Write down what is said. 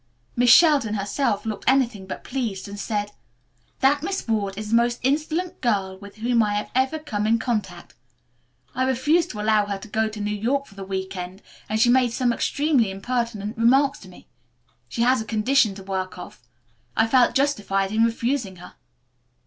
Miss Sheldon herself looked anything but pleased and said: 'That Miss Ward is the most insolent girl with whom I have ever come in contact. I refused to allow her to go to New York City for the week end and she made some extremely impertinent remarks to me. She has a condition to work off. I felt justified in refusing her.'"